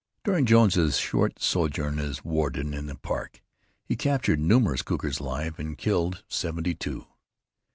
During Jones's short sojourn as warden in the park, he captured numerous cougars alive, and killed seventy two.